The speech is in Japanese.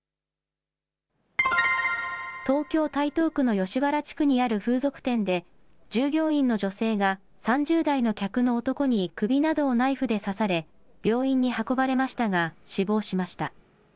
東京・台東区の吉原地区にある風俗店で、従業員の女性が、３０代の客の男に首などをナイフで刺され、病院に運ばれましたが、死亡しました。